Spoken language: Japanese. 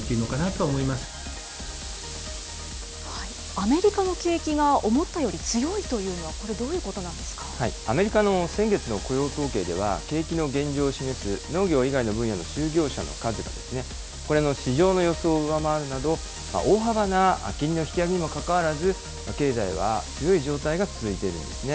アメリカの景気が思ったより強いというのは、これ、アメリカの先月の雇用統計では、景気の現状を示す農業以外の分野の就業者の数が、市場の予想を上回るなど、大幅な金利の引き上げにもかかわらず、経済は強い状態が続いているんですね。